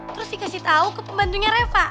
terus dikasih tahu ke pembantunya reva